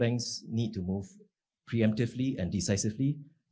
dengan keterampilan dan dengan kebijakan